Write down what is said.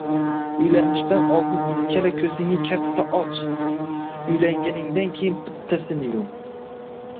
Uylanishdan oldin ikkala ko‘zingni katta och, uylanganingdan keyin bittasini yum.